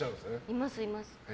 います、います。